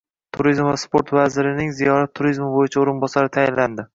Turizm va sport vazirining ziyorat turizmi bo‘yicha o‘rinbosari tayinlandi